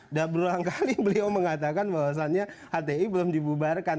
sudah berulang kali beliau mengatakan bahwasannya hti belum dibubarkan